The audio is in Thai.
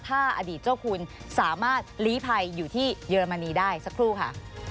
ถ้าอดีตเจ้าคุณสามารถลีภัยอยู่ที่เยอรมนีได้สักครู่ค่ะ